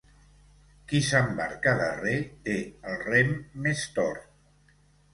Qui s'embarca darrer, té el rem més tort.